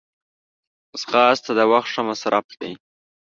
منډه د وخت ښه مصرف دی